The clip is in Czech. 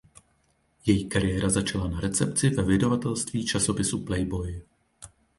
Její kariéra začala na recepci ve vydavatelství časopisu Playboy.